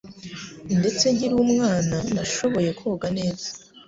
Ndetse nkiri umwana, nashoboye koga neza.